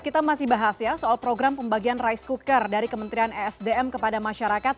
kita masih bahas ya soal program pembagian rice cooker dari kementerian esdm kepada masyarakat